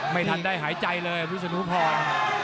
ไม่ทันได้หายใจเลยวิศนุพร